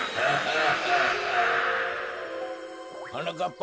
はなかっぱ